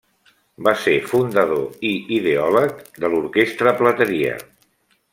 Va ser fundador i ideòleg de l'Orquestra Plateria.